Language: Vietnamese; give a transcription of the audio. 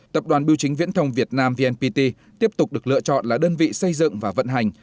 tập đoàn bưu chính viễn thông việt nam vnpt tiếp tục được lựa chọn là đơn vị xây dựng và vận hành